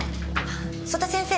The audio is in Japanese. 曽田先生